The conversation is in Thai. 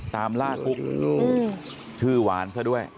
ตามล่ากุ๊กชื่อหวานซะด้วย